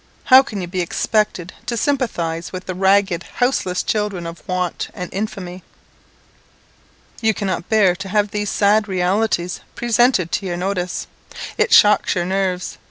How can you be expected to sympathize with the ragged, houseless children of want and infamy! You cannot bear to have these sad realities presented to your notice. It shocks your nerves.